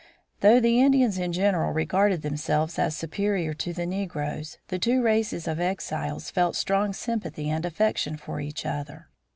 Though the Indians in general regarded themselves as superior to the negroes, the two races of exiles felt strong sympathy and affection for each other.